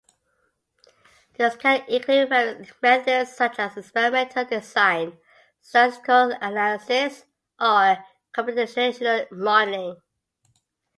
This can include various methods such as experimental design, statistical analysis, or computational modeling.